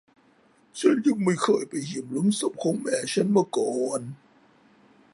ฉันยังไม่เคยไปเยี่ยมหลุมศพของแม่ฉันมาก่อน